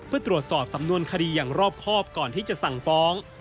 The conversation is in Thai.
เพื่อตรวจสอบสำนวนคดีอย่างรอบครอบก่อนที่จะสั่งฟ้อง